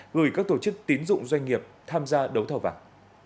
gửi các tổ chức tín dụng doanh nghiệp tham gia đấu thầu vàng